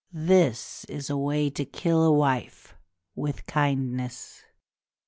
This is a way to kill a wife with kindness."